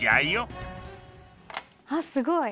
あっすごい！